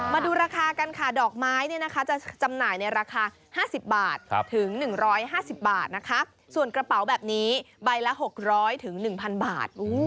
มาดูราคากันค่ะดอกไม้เนี่ยนะคะจะจำหน่ายในราคา๕๐บาทถึง๑๕๐บาทนะคะส่วนกระเป๋าแบบนี้ใบละ๖๐๐๑๐๐บาท